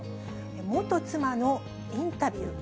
元妻のインタビュー。